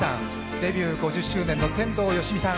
デビュー５０周年の天童よしみさん。